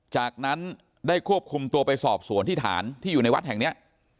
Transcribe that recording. จากนั้นได้ควบคุมตัวไปสอบสวนที่ฐานที่อยู่ในวัดแห่งนี้